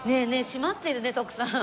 閉まってるね徳さん。